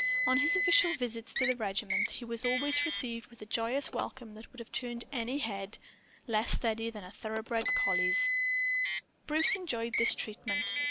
On his official visits to the regiment, he was always received with a joyous welcome that would have turned any head less steady than a thoroughbred collie's. Bruce enjoyed this treatment.